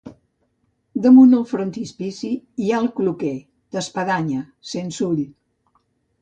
Damunt el frontispici hi ha el cloquer, d'espadanya, sense ull.